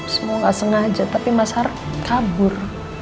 semua gak sengaja tapi mas harap kabur